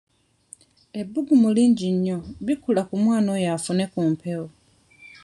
Ebbugumu lingi nnyo bikkula ku mwana oyo afune ku mpewo.